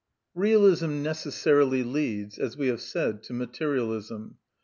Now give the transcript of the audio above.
Realism necessarily leads, as we have said, to materialism.